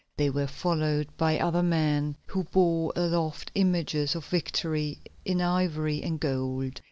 They were followed by other men, who bore aloft images of victory in ivory and gold.